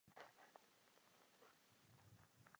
Zkrátka bylo třeba nabrat nový dech.